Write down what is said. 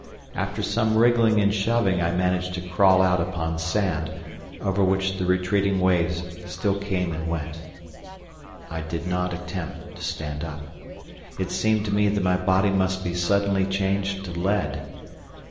After some wriggling and shoving I managed to crawl out upon sand, over which the retreating waves still came and went. I did not attempt to stand up. It seemed to me that my body must be suddenly changed to lead.